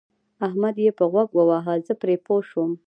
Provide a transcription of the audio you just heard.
احمد يې په غوږ وواهه زه پرې پوه شوم.